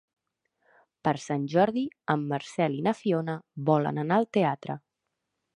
Per Sant Jordi en Marcel i na Fiona volen anar al teatre.